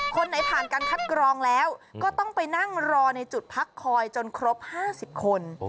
คนไหนผ่านการคัดกรองแล้วก็ต้องไปนั่งรอในจุดพักคอยจนครบ๕๐คน